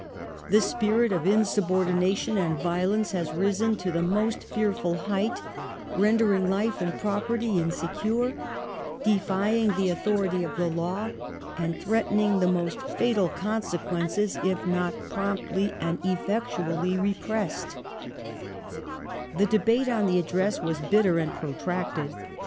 The spirit of insubordination and violence has risen to the most fearful height, rendering life and property insecure, defying the authority of the law, and threatening the most fatal consequences if not promptly and effectually repressed," The debate on the Address was bitter and protracted.